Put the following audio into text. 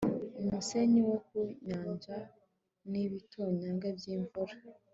umusenyi wo ku nyanja n'ibitonyanga by'imvura